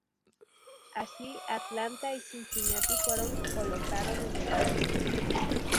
Así, Atlanta y Cincinnati fueron colocaron en el Oeste.